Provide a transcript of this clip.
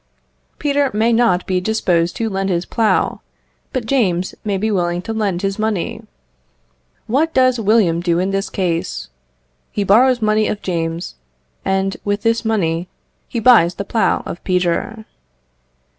Peter may not be disposed to lend his plough, but James may be willing to lend his money. What does William do in this case? He borrows money of James, and with this money he buys the plough of Peter.